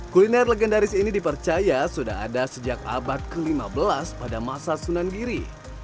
kuliner legendaris ini dipercaya sudah ada sejak abad ke lima belas pada masa sunan giri